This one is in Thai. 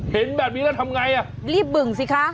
เห็นแบบนี้แล้วทำไงอ่ะรีบบึ่งสิคะ